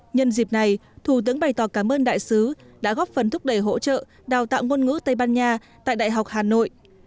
nhân dịp này thủ tướng bày tỏ cảm ơn đại sứ đã góp phần thúc đẩy hỗ trợ đào tạo ngôn ngữ tây ban nha tại đại học hà nội